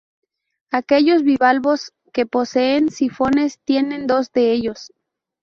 Aquellos bivalvos que poseen sifones, tienen dos de ellos.